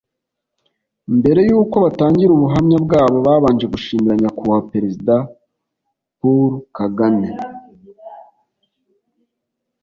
Mbere yuko batangira ubuhamya bwabo babanje gushimira nyakubahwa perezida poul kagame